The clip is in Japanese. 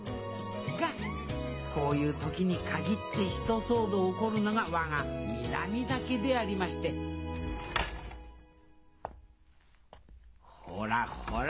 がこういう時に限って一騒動起こるのが我が南田家でありましてほらほら